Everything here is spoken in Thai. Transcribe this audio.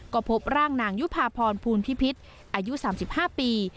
ก็พบร่างนางยุภาพรภูลพิพิษอายุ๓๕ปี